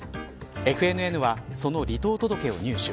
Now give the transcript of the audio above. ＦＮＮはその離党届を入手。